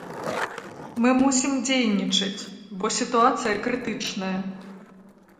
Мы мусім дзейнічаць, бо сітуацыя крытычная!